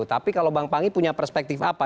tapi kalau bang panggi punya perspektif apa